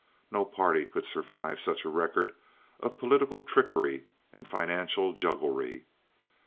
No party could survive such a record of political trickery and financial jugglery.